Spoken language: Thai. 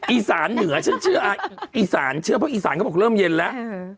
อีสานเหนือฉันเชื่ออีสานเชื่อเพราะอีสานเขาบอกเริ่มเย็นแล้ว